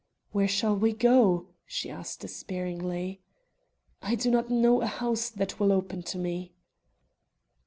"Where shall we go?" she asked despairingly. "I do not know a house that will open to me."